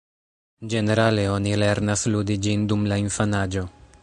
Ĝenerale, oni lernas ludi ĝin dum la infanaĝo.